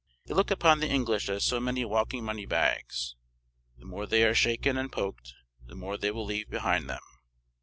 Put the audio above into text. They look upon the English as so many walking money bags; the more they are shaken and poked, the more they will leave behind them."